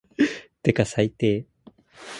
てか最低